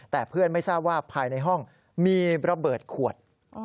แต่เพื่อนไม่ทราบว่าภายในห้องมีระเบิดขวด